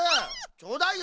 ちょうだいよ。